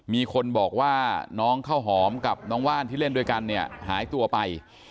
มีคนบอกว่าน้องข้าวหอมกับน้องว่านที่เล่นด้วยกันเนี่ยหายตัวไป